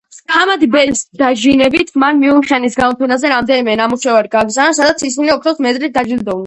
ჰამდი ბეის დაჟინებით, მან მიუნხენის გამოფენაზე რამდენიმე ნამუშევარი გაგზავნა, სადაც ისინი ოქროს მედლით დაჯილდოვდნენ.